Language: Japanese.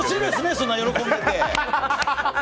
そんなに喜んでて！